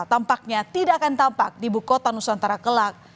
tampaknya tidak akan tampak di buku kota nusantara kelak